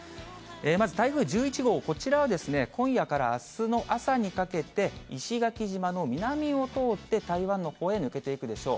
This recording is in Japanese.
まず台風１１号、こちらはですね、今夜からあすの朝にかけて、石垣島の南を通って、台湾のほうへ抜けていくでしょう。